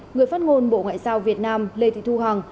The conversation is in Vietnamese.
người phát ngôn bộ ngoại giao việt nam lê thị thu hằng